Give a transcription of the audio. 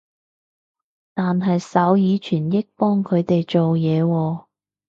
但係手語傳譯幫佢哋做嘢喎